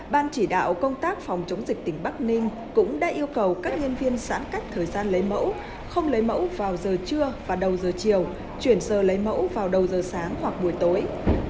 ban chỉ đạo công tác phòng chống dịch tỉnh bắc ninh cũng đã yêu cầu các nhân viên giãn cách thời gian lấy mẫu không lấy mẫu vào giờ trưa và đầu giờ chiều chuyển giờ lấy mẫu vào đầu giờ sáng hoặc buổi tối